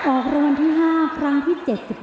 ออกรางวัลที่๕ครั้งที่๗๙